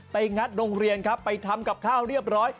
งัดโรงเรียนครับไปทำกับข้าวเรียบร้อย